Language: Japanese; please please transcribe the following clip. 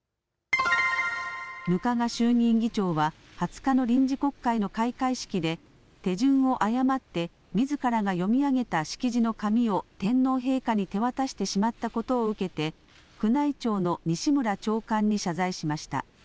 額賀衆議院議長は、２０日の臨時国会の開会式で、手順を誤って、みずからが読み上げた式辞の紙を天皇陛下に手渡してしまったことを受けて、宮内庁の西村長官に謝罪しました。